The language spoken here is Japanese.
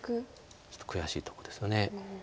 ちょっと悔しいとこですよね。